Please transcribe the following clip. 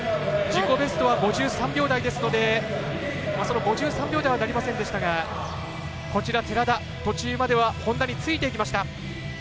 自己ベストは５３秒台ですのでその５３秒台はなりませんでしたが寺田、途中までは本多についていきました。